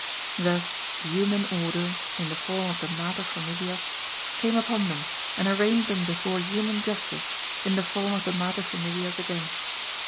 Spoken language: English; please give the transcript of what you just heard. Thus Human Order, in the form of the Mater Familias, came upon them and arraigned them before Human Justice in the form of the Mater Familias again.